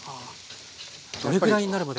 どれぐらいになるまで。